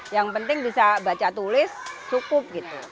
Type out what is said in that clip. yang penting bisa baca tulis cukup gitu